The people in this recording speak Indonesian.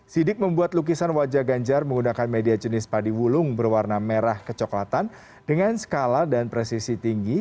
sidik membuat lukisan wajah ganjar menggunakan media jenis padi wulung berwarna merah kecoklatan dengan skala dan presisi tinggi